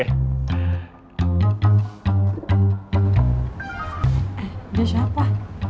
eh dia siapa